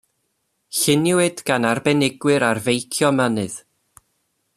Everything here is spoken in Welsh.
Lluniwyd gan arbenigwyr ar feicio mynydd.